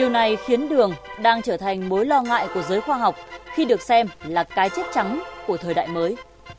điều này khiến đường đang trở thành mối lo ngại của giới khoa học khi được xem là cái chết trắng của thời đại mới